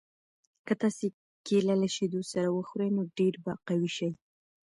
که تاسي کیله له شیدو سره وخورئ نو ډېر به قوي شئ.